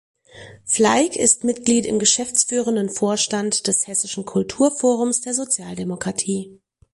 Fleig ist Mitglied im geschäftsführenden Vorstand des hessischen Kulturforums der Sozialdemokratie.